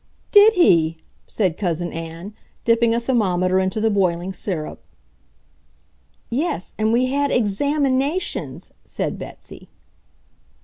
"Did he!" said Cousin Ann, dipping a thermometer into the boiling syrup. "Yes, and we had EXAMINATIONS!" said Betsy.